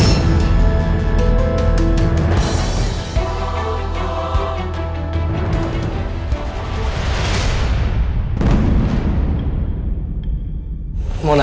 ini kan dia keluar